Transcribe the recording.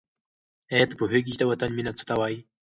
آیا ته پوهېږې چې د وطن مینه څه ته وايي؟